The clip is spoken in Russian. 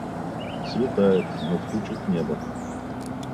Светает, но в тучах небо.